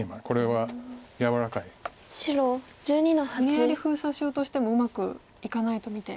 無理やり封鎖しようとしてもうまくいかないと見て。